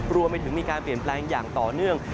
รวมไปถึงมีการเปลี่ยนแปลงอย่างต่อเนื่อง